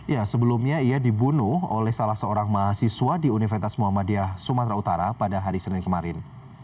ya sebelumnya ia dibunuh oleh salah seorang mahasiswa di universitas muhammadiyah sumatera utara pada hari senin kemarin